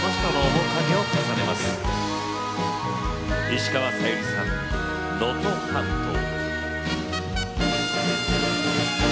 石川さゆりさん「能登半島」。